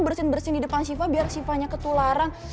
bersin bersin di depan siva biar sifatnya ketularan